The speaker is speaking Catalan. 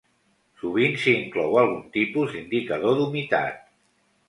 Sovint s'hi inclou algun tipus d'indicador d'humitat.